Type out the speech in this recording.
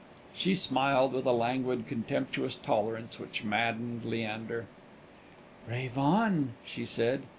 She smiled with a languid contemptuous tolerance, which maddened Leander. "Rave on," she said.